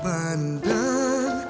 aku akan pergi